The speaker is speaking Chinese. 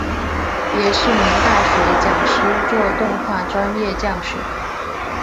也是名大学讲师做动画专业教学。